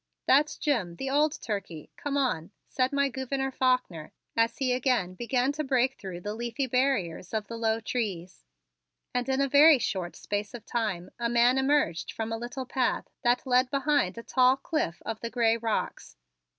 "That's Jim, the old turkey; come on!" said my Gouverneur Faulkner as he again began to break through the leafy barriers of the low trees. And in a very short space of time a man emerged from a little path that led behind a tall cliff of the gray rocks.